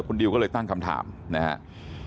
คุณดิวก็เลยตั้งคำถามนะครับ